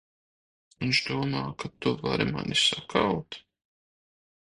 Viņš domā, ka tu vari mani sakaut?